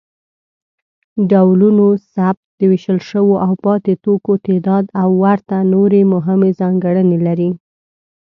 ډولونوثبت، د ویشل شویو او پاتې توکو تعداد او ورته نورې مهمې ځانګړنې لري.